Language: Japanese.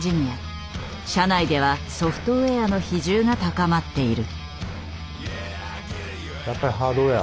社内ではソフトウェアの比重が高まっている。